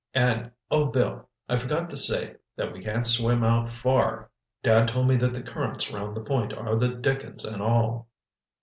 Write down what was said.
And, oh, Bill, I forgot to say that we can't swim out far. Dad told me that the currents round the point are the dickens and all."